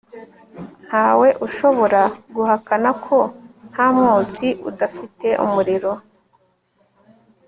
ntawe ushobora guhakana ko nta mwotsi udafite umuriro